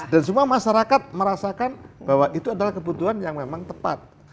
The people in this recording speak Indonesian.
dan semua masyarakat merasakan bahwa itu adalah kebutuhan yang memang tepat